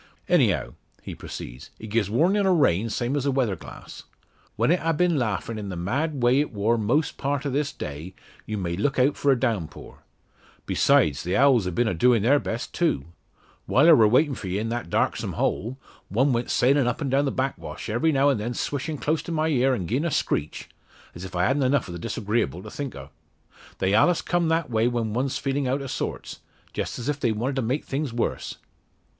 "Anyhow," he proceeds, "it gies warnin' o' rain, same as a weather glass. When it ha' been laughin' in the mad way it wor most part o' this day, you may look out for a downpour. Besides, the owls ha' been a doin' their best, too. While I wor waiting for ye in that darksome hole, one went sailin' up an' down the backwash, every now an' then swishin' close to my ear and giein' a screech as if I hadn't enough o' the disagreeable to think o'. They allus come that way when one's feelin' out o' sorts just as if they wanted to make things worse.